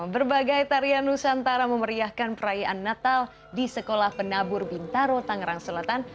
berbagai tarian nusantara memeriahkan perayaan natal di sekolah penabur bintaro tangerang selatan